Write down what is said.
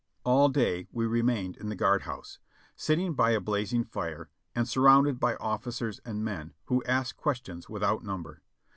All day we remained in the guard house, sitting by a blazing fire, and surrounded by officers and men, who asked questions with out number.